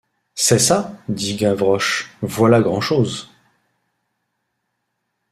C’est ça? dit Gavroche, Voilà grand’chose.